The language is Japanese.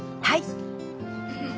はい。